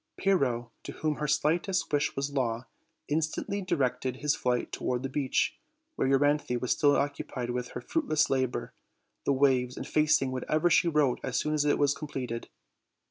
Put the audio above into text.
Pyrrho, to whom her slightest wish was law, instantly directed his flight toward the beach, where Euryanthe was still occupied with her fruitless labor, the waves effacing whatever she wrote as soon as it was completed.